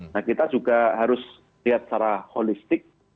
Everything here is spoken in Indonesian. nah kita juga harus lihat secara holistik